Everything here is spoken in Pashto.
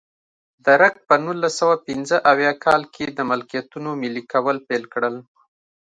درګ په نولس سوه پنځه اویا کال کې د ملکیتونو ملي کول پیل کړل.